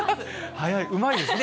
早い、うまいですね。